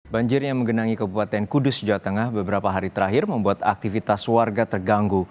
banjir yang menggenangi kabupaten kudus jawa tengah beberapa hari terakhir membuat aktivitas warga terganggu